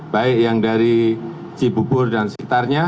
baik yang dari cibubur dan sekitarnya